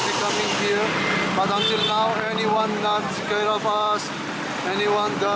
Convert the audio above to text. tapi sampai sekarang siapa pun tidak menjaga kita